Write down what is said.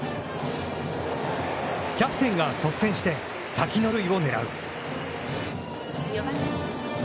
キャプテンが率先して先の塁を狙う。